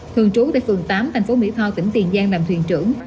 thường trú tại phường tám thành phố mỹ tho tỉnh tiền giang làm thuyền trưởng